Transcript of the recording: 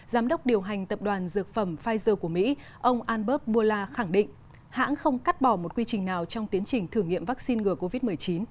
giám đốc điều hành tập đoàn dược phẩm pfizer của mỹ ông albert mula khẳng định hãng không cắt bỏ một quy trình nào trong tiến trình thử nghiệm vaccine ngừa covid một mươi chín